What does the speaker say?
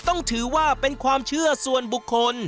ต้องถือว่าเป็นความเชื่อส่วนบุคคล